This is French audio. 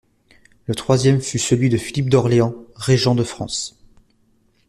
Le troisième fut celui de Philippe d'Orléans, régent de France.